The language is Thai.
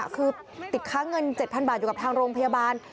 คือติดค้าเงิน๗๐๐บาทอยู่กับทางโรงพยาบาล